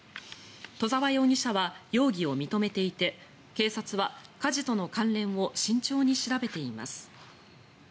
戸澤容疑者は容疑を認めていて警察は、火事との関連を慎重に調べています。